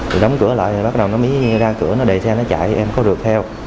rồi đóng cửa lại bắt đầu nó mới ra cửa nó đẩy xe nó chạy em có rượt theo